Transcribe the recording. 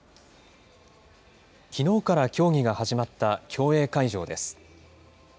きのうから競技が始まった競泳会場です。